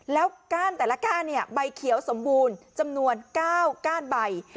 แล้วก้านแต่ละก้านใบเขียวสมบูรณ์จำนวน๙ก้านใบ